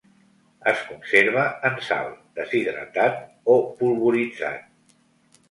Es conserva en sal, deshidratat o polvoritzat.